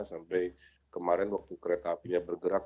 sampai kemarin waktu kereta apinya bergerak